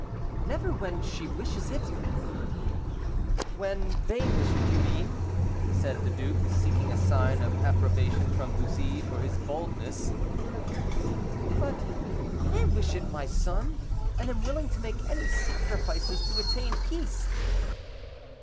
"Never when she wishes it." "When they wish it, you mean," said the duke, seeking a sign of approbation from Bussy for his boldness. "But I wish it, my son, and am willing to make any sacrifices to attain peace."